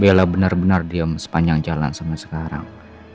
bella bener bener diam sepanjang jalan sampai sekarang